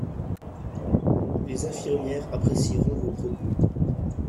Les infirmières apprécieront vos propos.